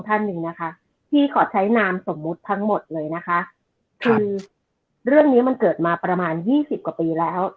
ท่านหนึ่งนะคะพี่ขอใช้นามสมมุติทั้งหมดเลยนะคะคือเรื่องเนี้ยมันเกิดมาประมาณยี่สิบกว่าปีแล้ว